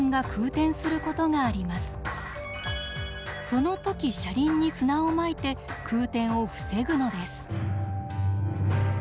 その時車輪に砂をまいて空転を防ぐのです。